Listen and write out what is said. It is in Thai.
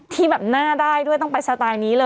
ที่แบบหน้าได้ด้วยต้องไปสไตล์นี้เลย